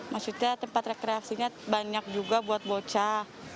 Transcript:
maksudnya tempat rekreasinya banyak juga buat bocah